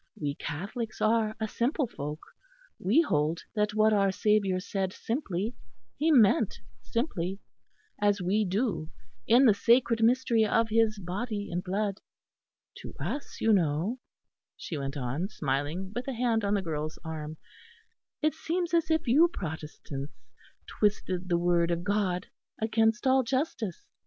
We Catholics are a simple folk. We hold that what our Saviour said simply He meant simply: as we do in the sacred mystery of His Body and Blood. To us, you know," she went on, smiling, with a hand on the girl's arm, "it seems as if you Protestants twisted the Word of God against all justice."